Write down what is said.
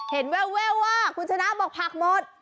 เห็นเวลว่าคุณชนะบอกผักหมด